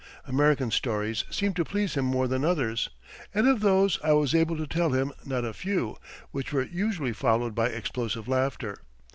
American stories seemed to please him more than others, and of those I was able to tell him not a few, which were usually followed by explosive laughter.